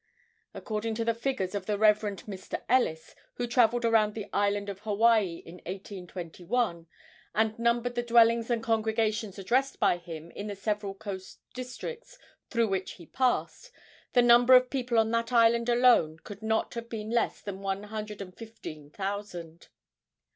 According to the figures of the Rev. Mr. Ellis, who travelled around the island of Hawaii in 1821 and numbered the dwellings and congregations addressed by him in the several coast districts through which he passed, the number of people on that island alone could not have been less than one hundred and fifteen thousand.